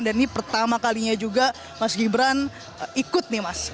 dan ini pertama kalinya juga mas gibran ikut nih mas